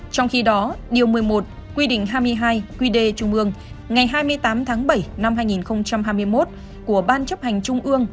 trong khi đó điều một mươi một quy định hai mươi hai quy đề trung ương ngày hai mươi tám tháng bảy năm hai nghìn hai mươi một của ban chấp hành trung ương